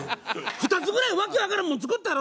２つぐらい訳わからんもん作ったやろ？